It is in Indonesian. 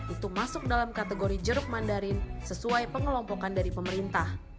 itu masuk dalam kategori jeruk mandarin sesuai pengelompokan dari pemerintah